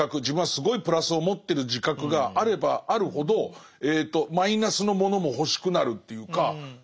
自分はすごいプラスを持ってる自覚があればあるほどマイナスのものも欲しくなるっていうか。